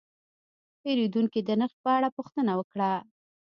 پیرودونکی د نرخ په اړه پوښتنه وکړه.